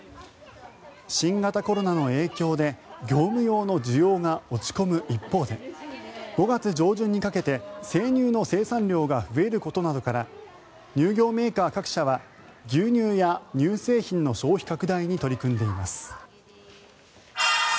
新型コロナの影響で業務用の需要が落ち込む一方で５月上旬にかけて生乳の生産量が増えることなどから乳業メーカー各社は牛乳や乳製品の消費拡大に取り組んでいます。